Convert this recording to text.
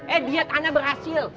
eh diet anak berhasil